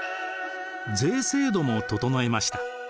税制度も整えました。